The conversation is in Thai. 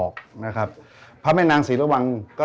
ชื่องนี้ชื่องนี้ชื่องนี้ชื่องนี้